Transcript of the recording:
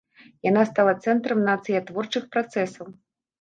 Яна стала цэнтрам нацыятворчых працэсаў.